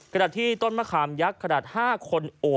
ขณะที่ต้นมะขามยักษ์ขนาด๕คนโอบ